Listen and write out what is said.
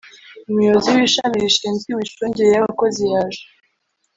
Umuyobozi w’ishami rishinzwe Imicungire y’bakozi yaje